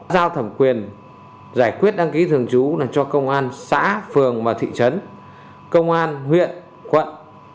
giao thẩm quyền giải quyết đăng ký thường trú cho công an xã phường và thị trấn công an huyện quận